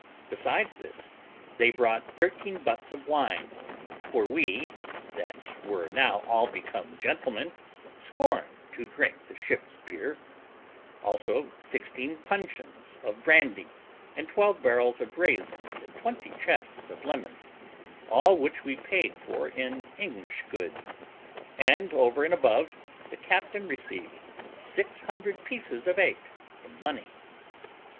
Besides this, they brought thirteen butts of wine (for we, that were now all become gentlemen, scorned to drink the ship's beer), also sixteen puncheons of brandy, with twelve barrels of raisins and twenty chests of lemons; all which we paid for in English goods; and, over and above, the captain received six hundred pieces of eight in money.